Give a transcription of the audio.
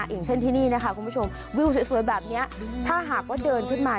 อย่างเช่นที่นี่นะคะคุณผู้ชมวิวสวยแบบนี้ถ้าหากว่าเดินขึ้นมา